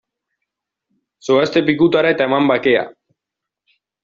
Zoazte pikutara eta eman bakea!